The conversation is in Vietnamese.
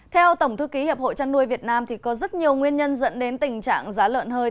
theo tổng thư ký hiệp hội trăn nuôi việt nam có rất nhiều nguyên nhân dẫn đến tình trạng giá lợn hơi